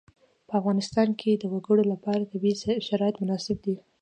په افغانستان کې د وګړي لپاره طبیعي شرایط مناسب دي.